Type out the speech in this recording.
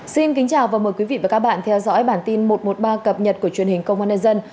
xin kính chào và mời quý vị và các bạn theo dõi bản tin một trăm một mươi ba cập nhật của truyền hình công an nhân dân